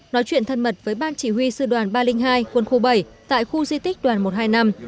nói chuyện thân mật với ban chỉ huy sư đoàn ba trăm linh hai quân khu bảy tại khu di tích đoàn một trăm hai mươi năm